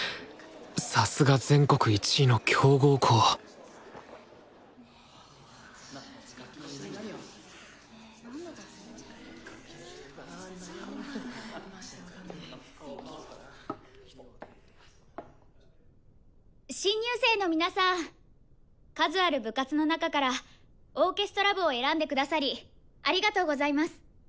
さすが全国１位の強豪校新入生の皆さん数ある部活の中からオーケストラ部を選んでくださりありがとうございます。